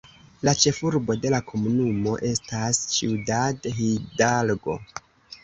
La ĉefurbo de la komunumo estas Ciudad Hidalgo.